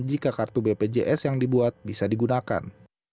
jika kartu bpjs yang dibuat bisa digunakan